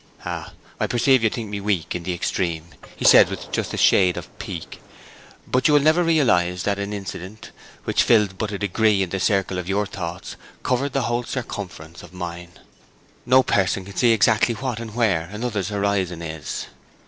'Ah, I perceive you think me weak in the extreme,' he said, with just a shade of pique. 'But you will never realize that an incident which filled but a degree in the circle of your thoughts covered the whole circumference of mine. No person can see exactly what and where another's horizon is.'